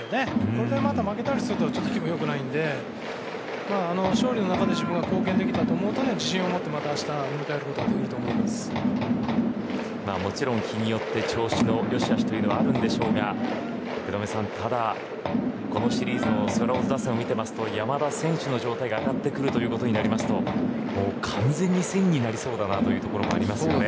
これでまた負けたりすると雰囲気も良くないんで勝利の中で自分が貢献できたと思うと自信をもってまた明日よみがえることがもちろん日によって調子の良しあしはあるんでしょうが福留さん、ただこのシリーズのスワローズ打線を見ていると山田選手の状態が上がってくるということになると完全に線になりそうだというところがありますね。